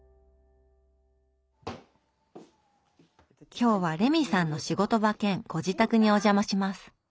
今日はレミさんの仕事場兼ご自宅にお邪魔します。